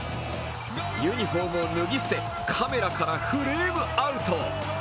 ユニフォームを脱ぎ捨てカメラからフレームアウト。